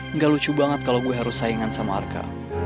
enggak lucu banget kalau gue harus saingan sama arka